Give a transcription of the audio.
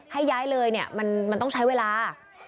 ให้ย้ายเลยเนี่ยมันต้องใช้เวลา